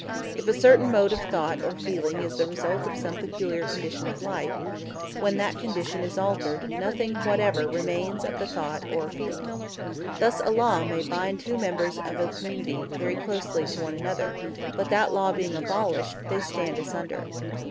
If a certain mode of thought or feeling is the result of some peculiar condition of life, when that condition is altered nothing whatever remains of the thought or feeling. Thus a law may bind two members of the community very closely to one another; but that law being abolished, they stand asunder.